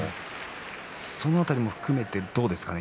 その辺りも含めてどうですか？